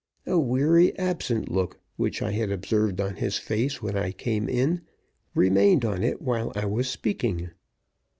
A weary, absent look, which I had observed on his face when I came in, remained on it while I was speaking.